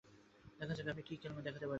দেখা যাক আপনি কী কেলমা দেখাতে পারেন।